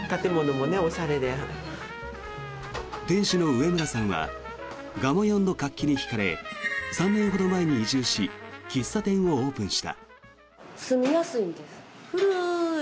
店主の植村さんはがもよんの活気に引かれ３年ほど前に移住し喫茶店をオープンした。